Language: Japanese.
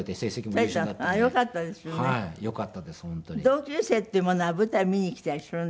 同級生っていうものは舞台見に来たりするんですか？